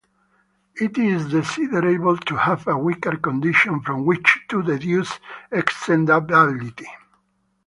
It is desirable to have a weaker condition from which to deduce extendability.